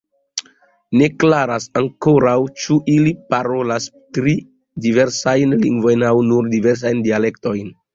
Ne klaras ankoraŭ, ĉu ili parolas tri diversajn lingvojn aŭ nur diversajn dialektojn.